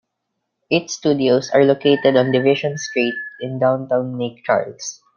Its studios are located on Division Street in downtown Lake Charles.